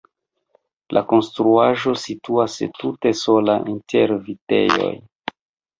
La konstruaĵo situas tute sola inter vitejoj.